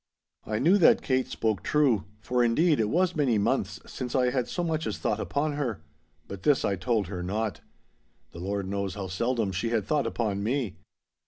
I knew that Kate spoke true—for, indeed, it was many months since I had so much as thought upon her. But this I told her not. The Lord knows how seldom she had thought upon me.